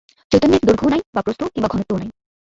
চৈতন্যের দৈর্ঘ্যও নাই বা প্রস্থ কিংবা ঘনত্বও নাই।